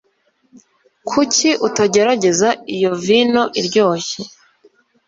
Kuki utagerageza iyo vino iryoshye